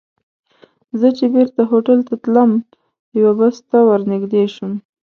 زه چې بېرته هوټل ته تلم، یوه بس ته ور نږدې شوم.